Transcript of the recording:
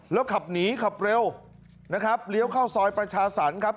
แล้วขับหนีขับเร็วนะครับเลี้ยวเข้าซอยประชาสรรค์ครับ